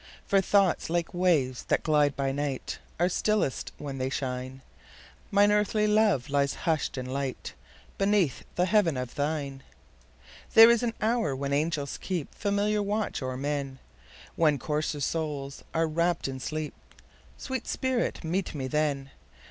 For thoughts, like waves that glide by night, Are stillest when they shine; Mine earthly love lies hush'd in lightBeneath the heaven of thine. There is an hour when angels keepFamiliar watch o'er men, When coarser souls are wrapp'd in sleep—Sweet spirit, meet me then!